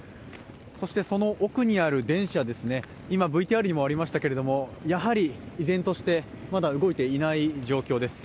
その奥にある電車ですが、今、ＶＴＲにもありましたけれども、やはり依然として、まだ動いていない状況です。